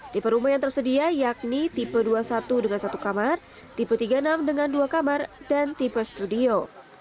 tipe rumah yang tersedia yakni tipe dua puluh satu dengan satu kamar tipe tiga puluh enam dengan dua kamar dan tipe studio